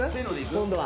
今度は。